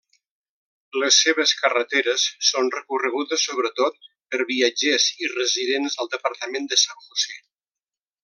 Les seves carreteres són recorregudes sobretot per viatgers i residents al departament de San José.